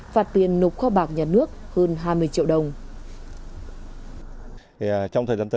phạt tiền nộp kho bạc nhà nước hơn hai mươi triệu đồng